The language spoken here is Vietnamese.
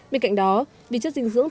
bên cạnh đó vị chất dinh dưỡng